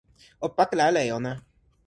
o pakala ala e ona!